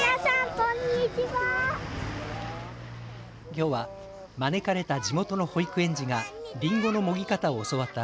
きょうは招かれた地元の保育園児がりんごのもぎ方を教わった